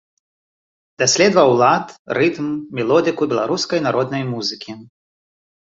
Даследаваў лад, рытм, мелодыку беларускай народнай музыкі.